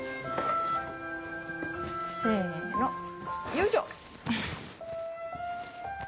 せのよいしょ！